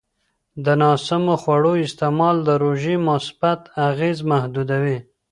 د ناسمو خوړو استعمال د روژې مثبت اغېز محدودوي.